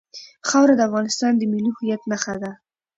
خاوره د افغانستان د ملي هویت نښه ده.